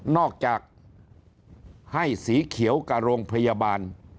อกจากให้สีเขียวกับโรงพยาบาล